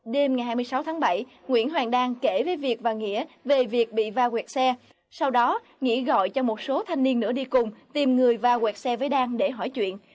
đêm ngày hai mươi sáu tháng bảy nguyễn hoàng đan kể về việc và nghĩa về việc bị va quẹt xe sau đó nghĩa gọi cho một số thanh niên nữa đi cùng tìm người va quẹt xe với đan để hỏi chuyện